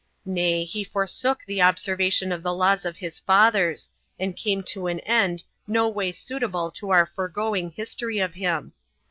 Nay, he forsook the observation of the laws of his fathers, and came to an end no way suitable to our foregoing history of him.